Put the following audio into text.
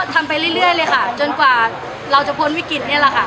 ไปเรื่อยเลยค่ะจนกว่าเราจะพ้นวิกฤตนี่แหละค่ะ